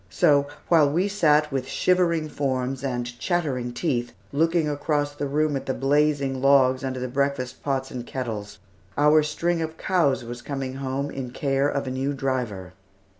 So, while we sat with shivering forms and chattering teeth looking across the room at the blazing logs under the breakfast pots and kettles, our string of cows was coming home in care of a new driver.